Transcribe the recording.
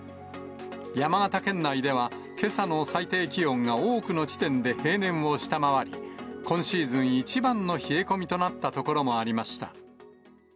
山形県内では、けさの最低気温が多くの地点で平年を下回り、今シーズン一番の冷え込みとなった所もありました。